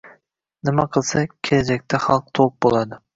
Nima qilsa — kelajaqda xalq to‘q bo‘ladi?